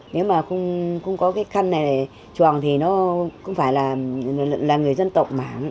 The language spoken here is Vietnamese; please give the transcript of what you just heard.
nếu mà không có cái căn này tròn thì nó cũng phải là người dân tộc mảng